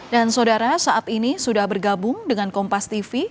dan saudara saat ini sudah bergabung dengan kompas tv